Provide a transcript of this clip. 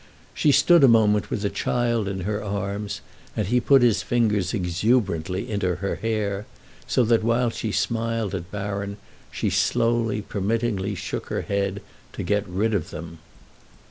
She stood a moment with the child in her arms, and he put his fingers exuberantly into her hair, so that while she smiled at Baron she slowly, permittingly shook her head to get rid of them.